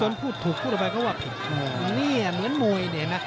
เนี๊ยยยเหมือนมวยเนี่ยนะ